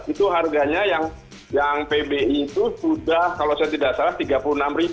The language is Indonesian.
itu harganya yang pbi itu sudah kalau saya tidak salah rp tiga puluh enam